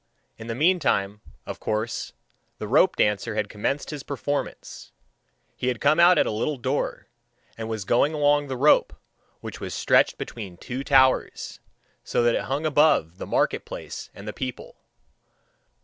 In the meantime, of course, the rope dancer had commenced his performance: he had come out at a little door, and was going along the rope which was stretched between two towers, so that it hung above the market place and the people.